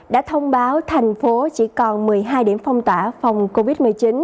đã thông báo thành phố chỉ còn một mươi hai điểm phong tỏa phòng covid một mươi chín